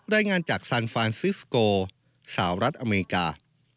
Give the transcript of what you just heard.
รายงานจากซานฟานซิสโกสาวรัฐอเมริกา